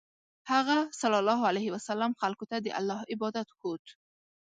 هغه ﷺ خلکو ته د الله عبادت ښوود.